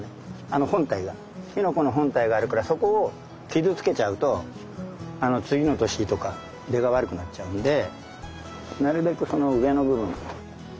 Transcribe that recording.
あの本体がきのこの本体があるからそこを傷つけちゃうと次の年とか出が悪くなっちゃうんでなるべくその上の部分。